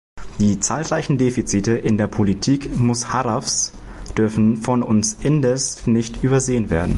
Die zahlreichen Defizite in der Politik Musharrafs dürfen von uns indes nicht übersehen werden.